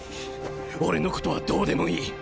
俺のことはどうでもいい！